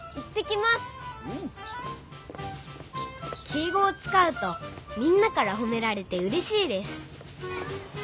敬語をつかうとみんなからほめられてうれしいです